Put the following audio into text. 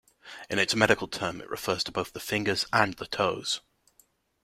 In its medical term, it refers to both the fingers and the toes.